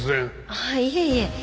ああいえいえ。